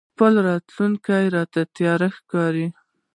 خپله راتلونکې راته تياره ښکاري.